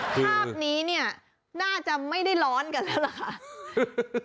ภาพนี้เนี่ยน่าจะไม่ได้ร้อนกันแล้วล่ะค่ะ